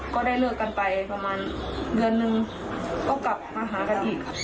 ก็ได้เลิกกันไปประมาณเดือนนึงก็กลับมาหากันอีก